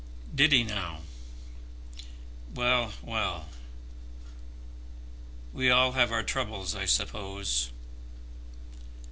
"Did he now? Well, well. We all have our troubles, I suppose."